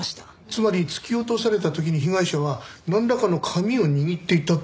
つまり突き落とされた時に被害者はなんらかの紙を握っていたって事ですか？